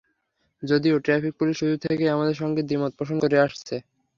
যদিও traffic police শুরু থেকেই আমাদের সঙ্গে দ্বিমত পোষণ করে আসছে।